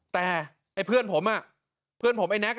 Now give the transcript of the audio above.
แต่ไอ้เพื่อนผมเพื่อนผมไอ้แน็ก